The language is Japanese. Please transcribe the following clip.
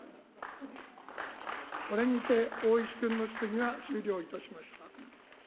これにて大石君の質疑は終了いたしました。